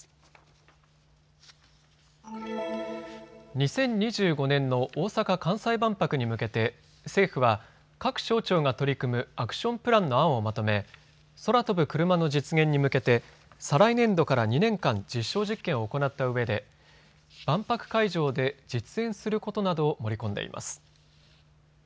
２０２５年の大阪・関西万博に向けて政府は各省庁が取り組むアクションプランの案をまとめ空飛ぶクルマの実現に向けて再来年度から２年間実証実験を行ったうえで万博会場で実演することなどを盛り込んでいます。